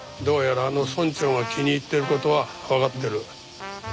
どうやらあの村長が気に入ってる事はわかってる。